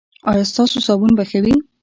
ایا ستاسو صابون به ښه وي؟